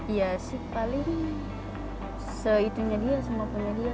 iya sih paling se itunya dia semuanya dia